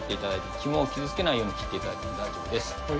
肝を傷つけないように切っていただいても大丈夫です。